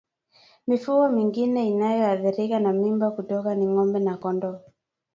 Mifugo mingine inayoathirika na mimba kutoka ni ngombe na kondoo